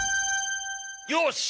よし！